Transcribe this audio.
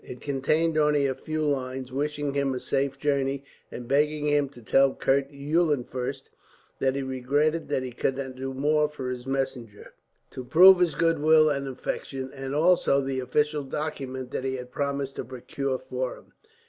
It contained only a few lines, wishing him a safe journey, and begging him to tell Count Eulenfurst that he regretted he could not do more for his messenger, to prove his goodwill and affection; and also the official document that he had promised to procure for him.